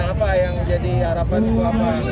apa yang jadi harapan buah buahan